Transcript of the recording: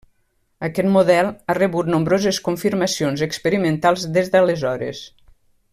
Aquest model ha rebut nombroses confirmacions experimentals des d'aleshores.